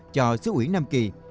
cho xứ ủy nam kỳ